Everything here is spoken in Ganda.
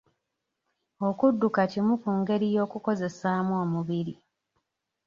Okudduka kimu ku ngeri y'okukozesaamu omubiri